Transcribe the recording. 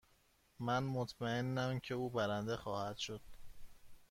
من مطمئنم که او برنده خواهد شد.